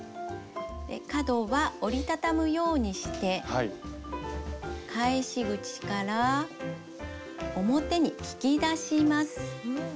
角は折り畳むようにして返し口から表に引き出します。